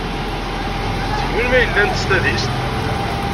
Seg melmi ay llant s tadist?